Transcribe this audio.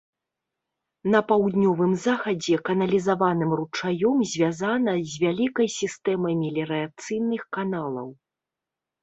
На паўднёвым захадзе каналізаваным ручаём звязана з вялікай сістэмай меліярацыйных каналаў.